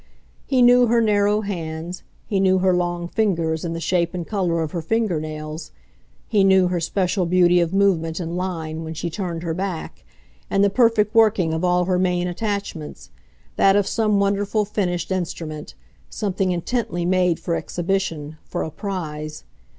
He knew her narrow hands, he knew her long fingers and the shape and colour of her finger nails, he knew her special beauty of movement and line when she turned her back, and the perfect working of all her main attachments, that of some wonderful finished instrument, something intently made for exhibition, for a prize.